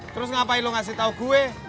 terus ngapain lu ngasih tau gue